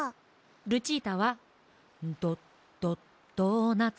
ルチータは「ドドドーナツ」。